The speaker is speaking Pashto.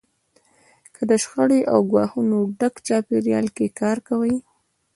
که له شخړې او ګواښونو ډک چاپېریال کې کار کوئ.